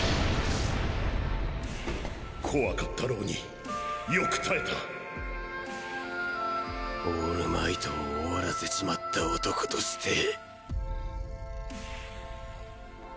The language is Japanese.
怖かったろうによくオールマイトを終わらせちまった男として。